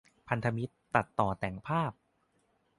พันธมิตร ตัดต่อแต่งภาพ ?